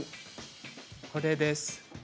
これです。